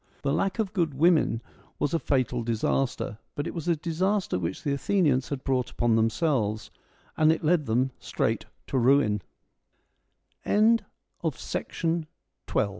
The lack of good women was a fatal disaster, but it was a disaster which the Athenians had brought upon themselves, and it led them straight to